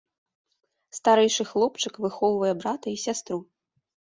Старэйшы хлопчык выхоўвае брата і сястру.